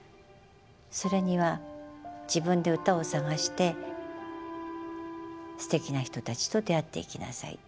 それには自分で歌を探してすてきな人たちと出会っていきなさい。